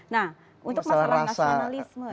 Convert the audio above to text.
nah untuk masalah nasionalisme